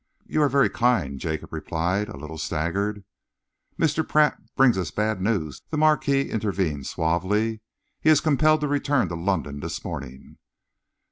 "You are very kind," Jacob replied, a little staggered. "Mr. Pratt brings us bad news," the Marquis intervened suavely. "He is compelled to return to London this morning."